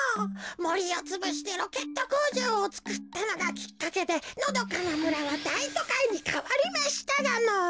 もりをつぶしてロケットこうじょうをつくったのがきっかけでのどかなむらはだいとかいにかわりましたがのぉ。